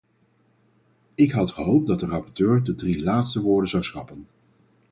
Ik had gehoopt dat de rapporteur de drie laatste woorden zou schrappen.